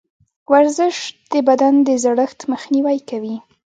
ورزش د بدن د زړښت مخنیوی کوي.